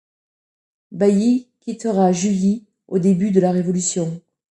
Bailly quittera Juilly au début de la Révolution.